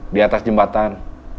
di atas jembatan